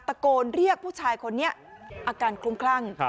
ตะโกนเรียกผู้ชายคนนี้อาการคลุ้มคลั่ง